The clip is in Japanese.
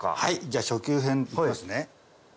じゃあ初級編行きますね。